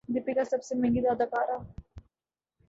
دپیکا سب سے مہنگی اداکارہ